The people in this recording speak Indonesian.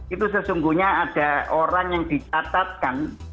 itu sesungguhnya ada orang yang dicatatkan